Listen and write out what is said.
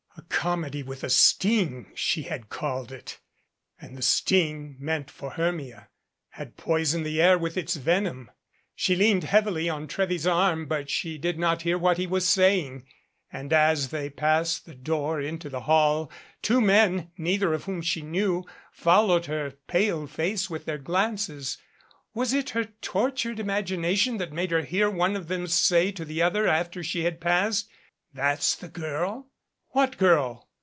A comedy with a sting, she had called it, and the sting meant for Hermia, had poisoned the air with its venom. She leaned heavily on Trewy's arm but she did not hear what he was saying ; and, as they passed the door into the hall, two men, neither of whom she knew, followed her pale face with their glances. Was it her tortured imagination that made her hear one of them say to the other after she had passed, "That's the girl ?" What girl?